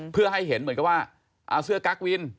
เพื่อให้เห็นเหมือนกับว่าเอาเสื้อกั๊กวิน